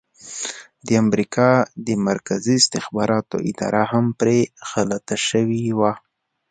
د امریکا د مرکزي استخباراتو اداره هم پرې غلطه شوې وه.